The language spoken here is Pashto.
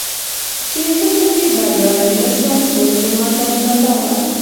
چې زه پکې بریالی نه شوم، اوس زما دنده دا وه.